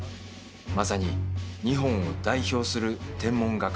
まさに日本を代表する天文学者だ。